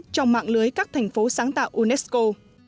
trong mạng lưới các thành phố sáng tạo unesco